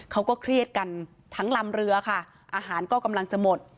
เขาก็เครียดกันทั้งลำเรือค่ะอาหารก็กำลังจะหมด